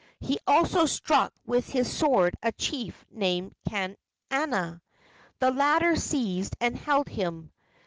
He also struck with his sword a chief named Kanaina. The latter seized and held him.